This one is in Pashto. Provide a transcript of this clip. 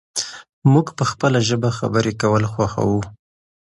موږ په خپله ژبه خبرې کول خوښوو.